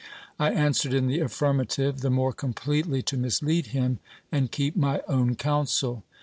I answered in the affirmative, the more completely to mislead him, and keep my own counsel.